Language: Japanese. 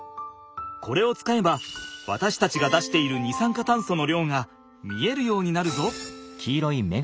これを使えばわたしたちが出している二酸化炭素の量が見えるようになるぞ。